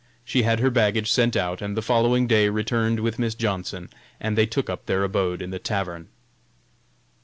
She had her baggage sent out, and the following day returned with Miss Johnson and they took up their abode in the tavern.